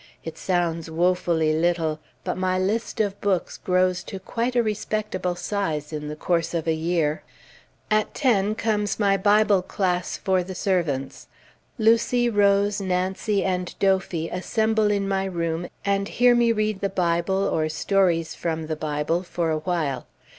It sounds woefully little, but my list of books grows to quite a respectable size, in the course of a year. At ten comes my Bible class for the servants. Lucy, Rose, Nancy, and Dophy assemble in my room, and hear me read the Bible, or stories from the Bible for a while.